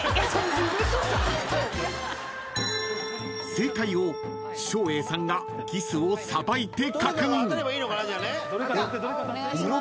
［正解を照英さんがギスをさばいて確認］